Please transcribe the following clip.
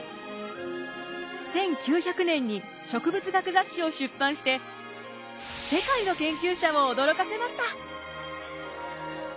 １９００年に植物学雑誌を出版して世界の研究者を驚かせました。